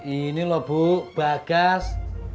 ini loh bu bagas